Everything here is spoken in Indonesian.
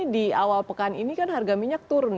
di awal pekan ini kan harga minyak turun